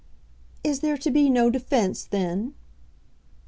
"Is there to be no defence, then?"